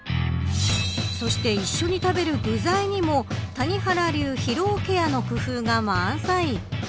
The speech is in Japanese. そして一緒に食べる具材にも谷原流疲労ケアの工夫が満載。